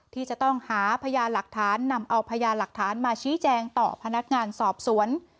ที่จะต้องหาพยานหลักฐานนำเอาพยานหลักฐานมาชี้แจงต่อพนักงานสอบสวน